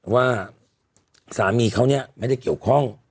ว่าสามีเขาเนี่ยไม่ได้เกี่ยวข้อง